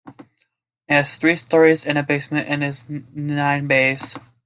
It has three storeys and a basement, and is in nine bays.